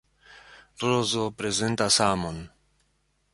Rozo prezentas amon.